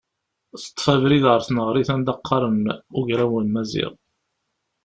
Teṭṭef abrid ɣer tneɣrit anda qqaren ugraw n Maziɣ.